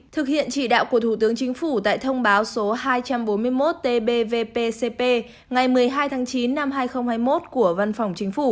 thực hiện chỉ đạo của thủ tướng chính phủ tại thông báo số hai trăm bốn mươi một tbpcp ngày một mươi hai tháng chín năm hai nghìn hai mươi một của văn phòng chính phủ